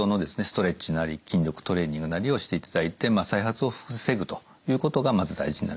ストレッチなり筋力トレーニングなりをしていただいて再発を防ぐということがまず大事になります。